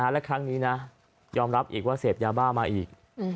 และครั้งนี้นะยอมรับอีกว่าเสพยาบ้ามาอีก